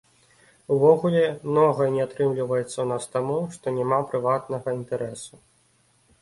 Увогуле, многае не атрымліваецца ў нас таму, што няма прыватнага інтарэсу.